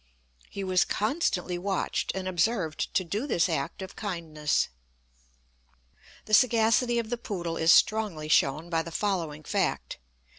He was constantly watched, and observed to do this act of kindness. The sagacity of the poodle is strongly shown by the following fact.